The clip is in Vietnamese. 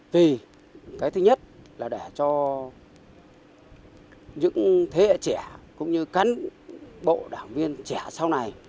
vì cái thứ nhất là để cho những thế hệ trẻ cũng như cán bộ đảng viên trẻ sau này